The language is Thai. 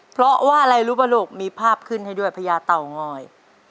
เพราะว่าอะไรรู้ป่ะลูกมีภาพขึ้นให้ด้วยพญาเต่างอย